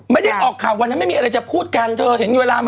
ไม่ได้ออกข่าววันนั้นไม่มีอะไรจะพูดกันเธอเห็นเวลา